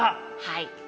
はい。